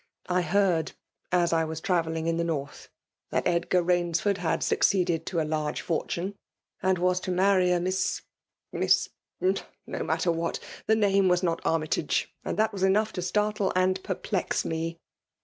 I lieard, as I was travelling in tile norths that Edgar Rainsford had succeeded to a large fortune and was to marry a Miss — Miss — no matter what !— the name was not Armytage, and that was enough to startle and p^l^ me.